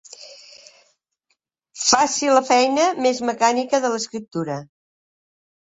Faci la feina més mecànica de l'escriptura.